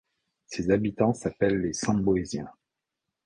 Ses habitants s'appellent les Sembouésiens.